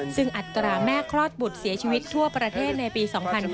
ซึ่งอัตราแม่คลอดบุตรเสียชีวิตทั่วประเทศในปี๒๕๕๙